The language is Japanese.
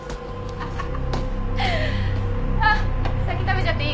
あっ先食べちゃっていいよ。